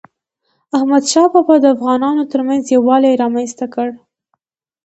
احمدشاه بابا د افغانانو ترمنځ یووالی رامنځته کړ.